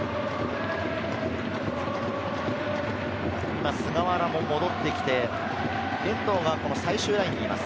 今、菅原も戻ってきて、遠藤が最終ラインにいます。